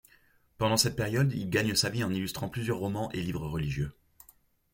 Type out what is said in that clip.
Pendant cette période il gagne sa vie en illustrant plusieurs romans et livres religieux.